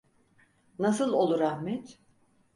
Nasıl olur Ahmet?